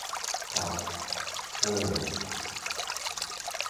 ครับ เฮ่อ